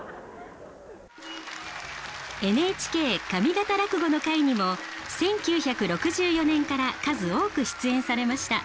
「ＮＨＫ上方落語の会」にも１９６４年から数多く出演されました。